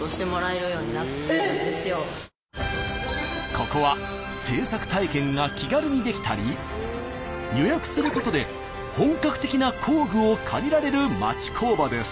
ここは制作体験が気軽にできたり予約することで本格的な工具を借りられる町工場です。